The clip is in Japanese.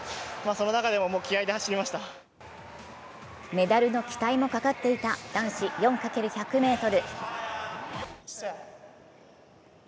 メダルの期待もかかっていた男子４×１００ｍ。